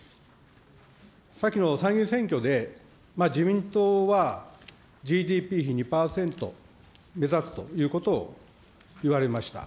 先の参院選挙で自民党はＧＤＰ比２％を目指すということを言われました。